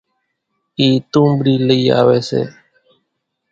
اِي تونٻڙِي لئِي آويَ سي۔